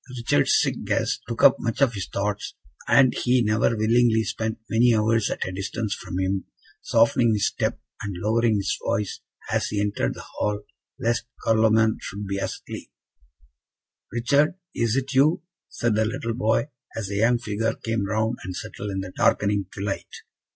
Richard's sick guest took up much of his thoughts, and he never willingly spent many hours at a distance from him, softening his step and lowering his voice, as he entered the hall, lest Carloman should be asleep. "Richard, is it you?" said the little boy, as the young figure came round the settle in the darkening twilight.